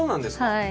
はい。